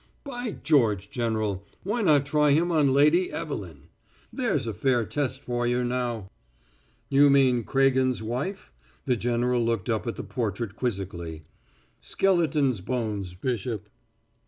"By George, General, why not try him on Lady Evelyn? There's a fair test for you, now!" "You mean Craigen's wife?" The general looked up at the portrait quizzically. "Skeleton's bones, Bishop."